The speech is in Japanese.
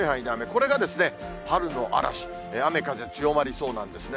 これがですね、春の嵐、雨、風強まりそうなんですね。